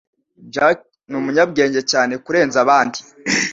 Jack ni umunyabwenge cyane kurenza abandi.